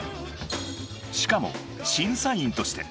［しかも審査員として］